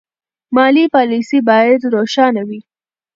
مالي پالیسي باید روښانه وي.